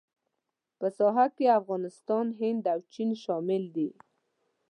په ساحه کې افغانستان، هند او چین شامل دي.